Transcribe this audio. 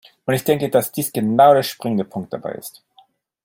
Und ich denke, dass dies genau der springende Punkt dabei ist.